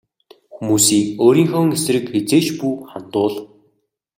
Хүмүүсийг өөрийнхөө эсрэг хэзээ ч бүү хандуул.